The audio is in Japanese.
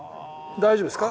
大丈夫ですか？